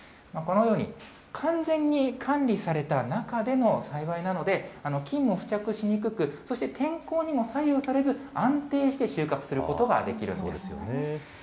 このように完全に管理された中での栽培なので、菌も付着しにくく、そして天候にも左右されず、安定して収穫することができるんです。